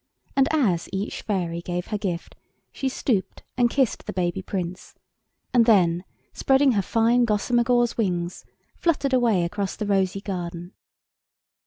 And as each fairy gave her gift she stooped and kissed the baby Prince, and then spreading her fine gossamer gauze wings, fluttered away across the rosy garden.